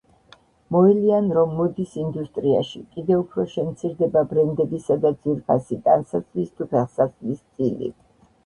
მოელიან, რომ მოდის ინდუსტრიაში კიდევ უფრო შემცირდება ბრენდებისა და ძვირფასი ტანსაცმლის, თუ ფეხსაცმლის წილი.